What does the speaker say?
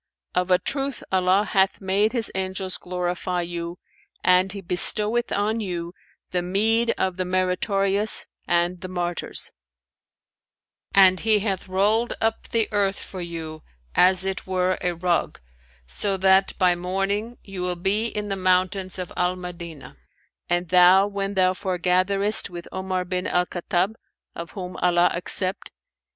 Of a truth Allah hath made His Angels glorify you and He bestoweth on you the meed of the meritorious and the martyrs; and He hath rolled up the earth for you as it were a rug so that, by morning, you will be in the mountains of Al Medinah. And thou, when thou foregatherest with Omar bin al Khattab (of whom Allah accept!)